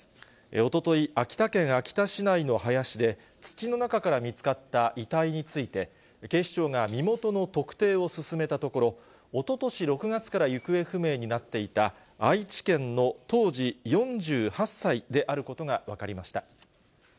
おととい、秋田県秋田市内の林で、土の中から見つかった遺体について、警視庁が身元の特定を進めたところ、おととし６月から行方不明になっていた愛知県の当時４８歳であることが分かりました。